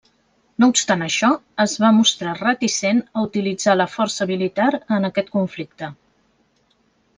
No obstant això, es va mostrar reticent a utilitzar la força militar en aquest conflicte.